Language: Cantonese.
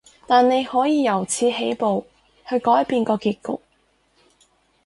但你可以由此起步，去改變個結局